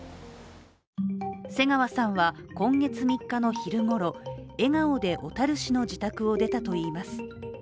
瀬川さんは今月３日の昼ごろ笑顔で小樽市の自宅を出たといいます。